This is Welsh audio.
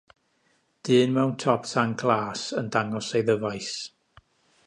Dyn mewn top-tanc glas yn dangos ei ddyfais.